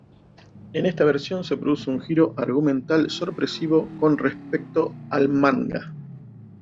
En esta versión se produce un giro argumental sorpresivo con respecto al manga.